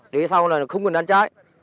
đấy sau là không cần đánh trái